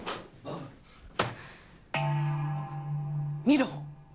見ろ。